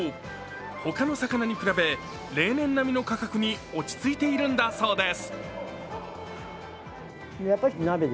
他の魚に比べ、例年並みの価格に落ち着いているんだそうです。